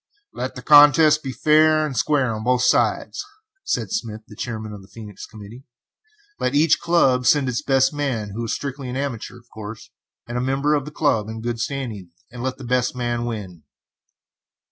"Let the contest be fair and square on both sides," said Smith, the chairman of the Phœnix committee. "Let each club send its best man, who is strictly an amateur, of course, and a member of the club, in good standing, and let the best man win."